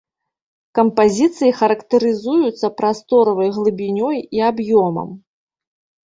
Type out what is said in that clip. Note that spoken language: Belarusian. Кампазіцыі характарызуюцца прасторавай глыбінёй і аб'ёмам.